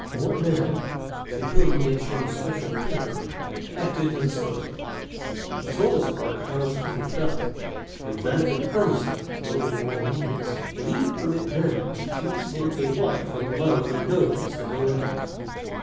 One man to whom he had shown special favor acted as spokesman. He told his lord how the people felt, and begged him earnestly, though with all meekness, that he would permit them to choose him a wife from among the noblest of the land.